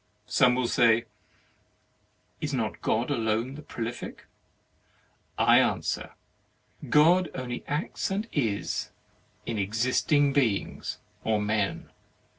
Some will say, "Is not God alone the Prolific?" I answer: "God only acts and is in existing beings or men."